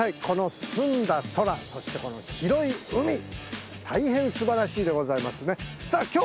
この澄んだ空そしてこの広い海大変すばらしいでございますねさあ